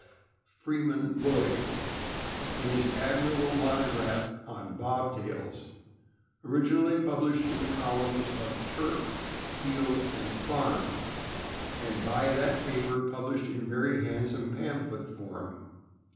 Freeman Lloyd, in his admirable monograph on Bob tails> originally published in the columns of Turf, Field, and Farm, and by that paper published in very handsome pamphlet form.